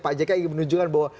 pak jika menunjukkan bahwa